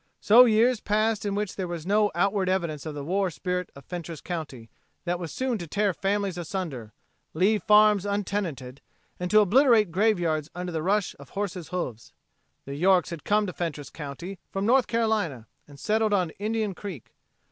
So years passed in which there was no outward evidence of the war spirit of Fentress county that was soon to tear families asunder, leave farms untenanted and to obliterate graveyards under the rush of horses' hoofs. The Yorks had come to Fentress county from North Carolina and settled on Indian Creek.